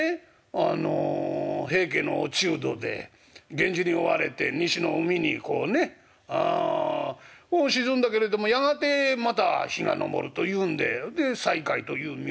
あの平家の落人で源氏に追われて西の海にこうね沈んだけれどもやがてまた日が昇るというんででサイカイという名字なんや。